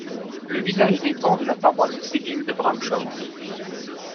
Le village dépend de la paroisse civile de Bramshaw.